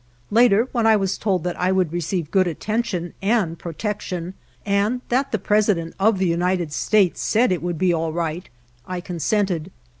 Later, when I was told that I would receive good attention and protection, and that the President of the United States said that it would be all right, I consented.